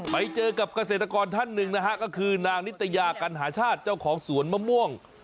ไปเจอกับเกษตรกรท่านหนึ่งนะฮะก็คือนางนิตยากัณหาชาติเจ้าของสวนมะม่วง